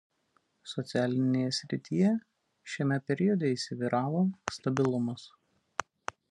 Socialinėje srityje šiame periode įsivyravo stabilumas.